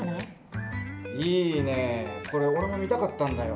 いいね、これ、俺も見たかったんだよ。